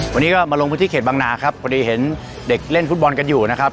วันนี้ก็มาลงพื้นที่เขตบางนาครับพอดีเห็นเด็กเล่นฟุตบอลกันอยู่นะครับ